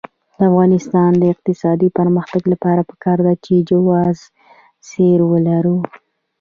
د افغانستان د اقتصادي پرمختګ لپاره پکار ده چې جواز سیر ولرو.